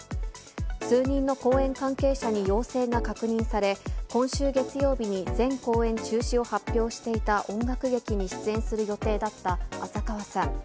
数人の公演関係者に陽性が確認され、今週月曜日に全公演中止を発表していた音楽劇に出演する予定だった浅川さん。